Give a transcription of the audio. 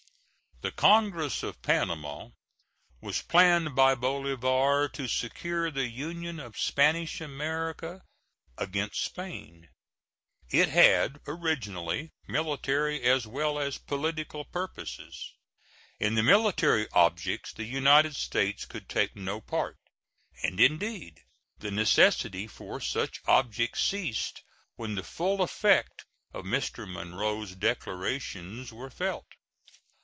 The congress of Panama was planned by Bolivar to secure the union of Spanish America against Spain. It had originally military as well as political purposes. In the military objects the United States could take no part; and, indeed, the necessity for such objects ceased when the full effects of Mr. Monroe's declarations were felt.